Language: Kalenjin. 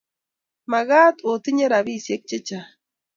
Magat otinye rapisyek chechang'